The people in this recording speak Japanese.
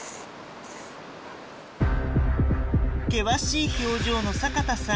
険しい表情の阪田さん